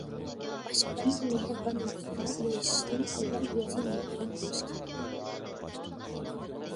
باشقىلارنىڭ مېھرىبانلىقىغا ئېرىشىشتىن ئاۋۋال ئۆزى مېھرىبان بولۇش كېرەك!